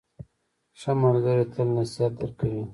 ښه ملګری تل نصیحت درکوي.